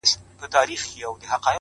زما د ستړي ژوند مزل ژاړي منزل ژاړي